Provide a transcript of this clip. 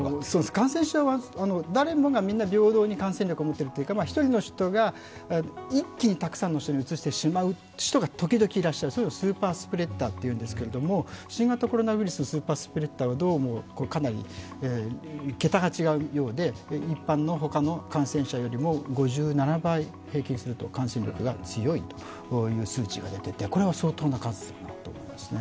感染者は誰もが平等に感染力を持っていますが１人が一気にたくさんの人にうつしてしまう人が時々いらっしゃる、そういうのをスーパースプレッターというんですけど新型コロナのスーパースプレッターはどうもかなり桁が違うようで、一般の他の感染者よりも平均５７倍感染力が強いという数値が出ていてこれは相当な数になっていますね。